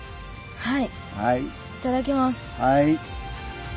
はい。